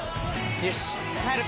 よし帰るか！